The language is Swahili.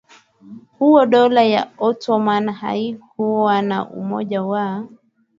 huo Dola ya Ottoman haikuwa na umoja wa